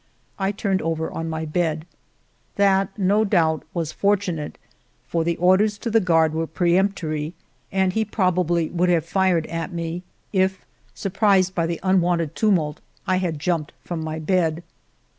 I turned over on my bed. That, no doubt, was fortunate, for the orders to the guard were peremptory, and he probably would have fired at me, if, surprised by the 246 FIVE YEARS OF MY LIFE unwonted tumult, I had jumped from my bed.